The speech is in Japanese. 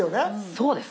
そうです。